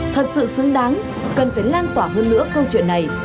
thật sự xứng đáng cần phải lan tỏa hơn nữa câu chuyện này